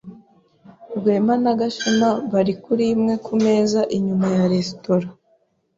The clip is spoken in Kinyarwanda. Rwema na Gashema bari kuri imwe kumeza inyuma ya resitora.